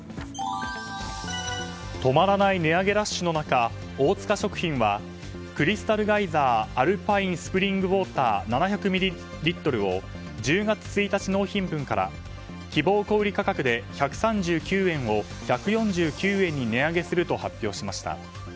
止まらない値上げラッシュの中大塚食品はクリスタルガイザーアルパインスプリングウォーター７００ｍｌを１０月１日納品分から希望小売価格を１３９円を１４９円に値上げすると発表しました。